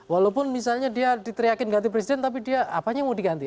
walaupun misalnya dia diteriakin ganti presiden tapi dia apanya yang mau diganti